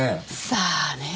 さあねぇ？